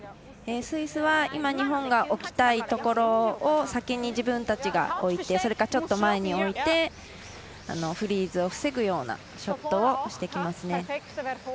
スイスは今、日本が置きたいところを先に自分たちが置いてそれか、ちょっと前に置いてフリーズを防ぐようなショットをしてきますね。